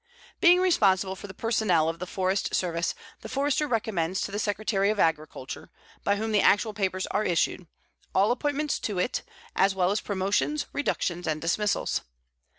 Being responsible for the personnel of the Forest Service, the Forester recommends to the Secretary of Agriculture, by whom the actual papers are issued, all appointments to it, as well as promotions, reductions, and dismissals.